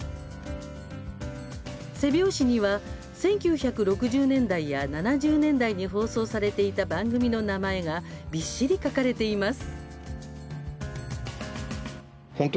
背表紙には１９６０年代や７０年代に放送されていた番組の名前がびっしり書かれています。